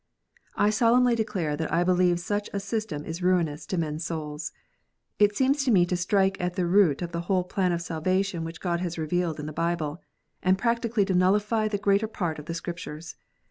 I solemnly declare that I believe such a system is ruinous to men s souls. It seems to me to strike at the root of the whole plan of salvation which God has revealed in the Bible, and practically to nullify the greater part of the Scriptures.